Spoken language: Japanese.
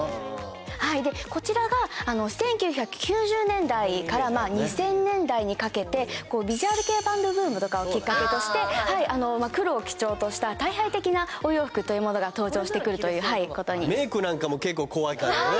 こちらが１９９０年代から２０００年代にかけてビジュアル系バンドブームとかをきっかけとして黒を基調とした退廃的なお洋服というものが登場してくるということにメイクなんかも結構怖いからね